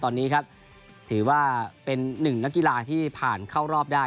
ตอนนี้ครับถือว่าเป็นหนึ่งนักกีฬาที่ผ่านเข้ารอบได้